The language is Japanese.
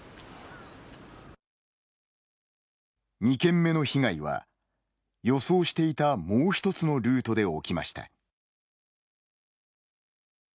２件目の被害は、予想していたもう一つのルートで起きました。